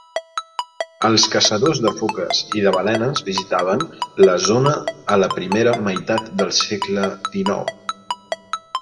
Els caçadors de foques i de balenes visitaven la zona a la primera meitat del segle XIX.